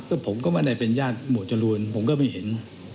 ก็ผมก็ไม่ได้เป็นญาติหมวดจรูนผมก็ไม่เห็น